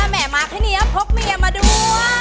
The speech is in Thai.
แหม่มากให้เนี่ยพวกเมียมาด้วย